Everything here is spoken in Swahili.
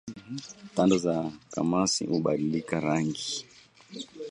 Tando za kamasi kubadilika rangi